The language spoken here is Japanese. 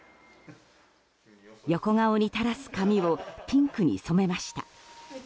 横顔に垂らす髪をピンクに染めました。